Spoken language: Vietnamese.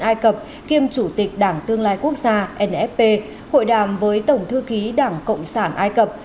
ai cập kiêm chủ tịch đảng tương lai quốc gia nfp hội đàm với tổng thư ký đảng cộng sản ai cập